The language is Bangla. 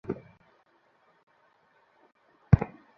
তোমার ফোন, আনলক করো।